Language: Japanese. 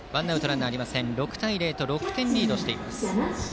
６対０と６点リードしています。